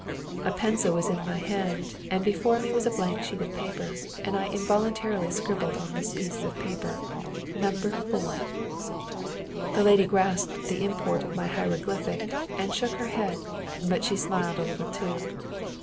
A pencil was in my hand, and before me was a blank sheet of paper, and I involuntarily scribbled on this piece of paper "Number 4." The lady grasped the import of my hieroglyphic and shook her head, but she smiled a little too.